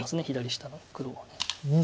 左下の黒は。